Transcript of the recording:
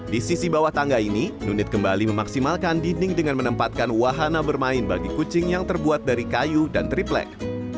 di sisi bawah tangga ini nunit kembali memaksimalkan dinding dengan menempatkan wahana bermain bagi kucing yang terbuat dari kayu dan triplek